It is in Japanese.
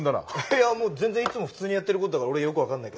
いやもう全然いつも普通にやってることだから俺よく分かんない。